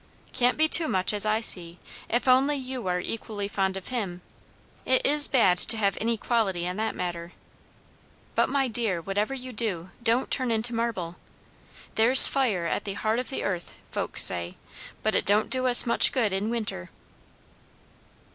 "Can't be too much, as I see, if only you are equally fond of him; it is bad to have inequality in that matter. But, my dear, whatever you do, don't turn into marble. There's fire at the heart of the earth, folks say, but it don't do us much good in winter."